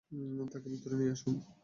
তাকে ভিতরে নিয়ে আসুন।